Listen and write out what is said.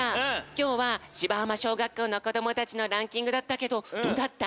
きょうはしばはましょうがっこうのこどもたちのランキングだったけどどうだった？